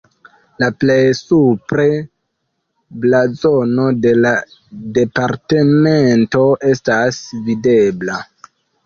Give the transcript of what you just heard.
La plej supre blazono de la departemento estas videbla.